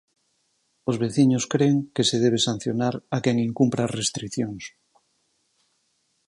Os veciños cren que se debe sancionar a quen incumpra as restricións.